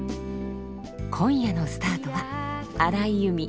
今夜のスタートは荒井由実